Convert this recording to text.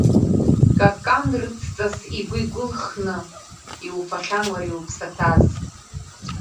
Каканрыцҵас игәы игәылхны, иуфахьан уара иуԥсаҭаз.